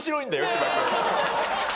千葉君。